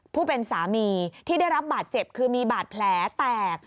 ผู้เป็นสามีที่ได้รับบาดเจ็บคือมีบาดแผลแตก